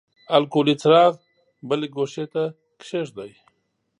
الکولي څراغ بلې ګوښې ته کیږدئ.